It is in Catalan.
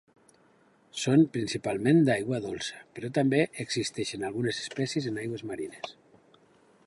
Són principalment d'aigua dolça, però també existeixen algunes espècies en aigües marines.